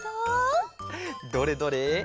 どれどれ？